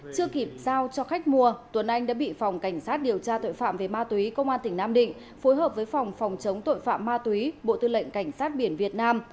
chưa kịp giao cho khách mua tuấn anh đã bị phòng cảnh sát điều tra tội phạm về ma túy công an tỉnh nam định phối hợp với phòng phòng chống tội phạm ma túy bộ tư lệnh cảnh sát biển việt nam